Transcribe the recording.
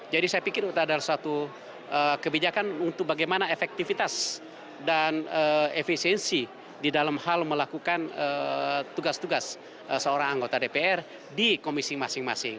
jadi saya pikir itu adalah suatu kebijakan untuk bagaimana efektivitas dan efisiensi di dalam hal melakukan tugas tugas seorang anggota dpr di komisi masing masing